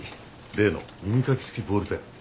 例の耳かき付きボールペン。